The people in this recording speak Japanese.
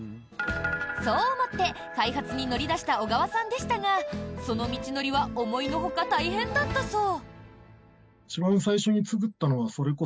そう思って開発に乗り出した小川さんでしたがその道のりは思いのほか大変だったそう。